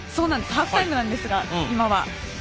ハーフタイムなんですが。